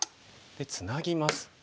ツナぎます。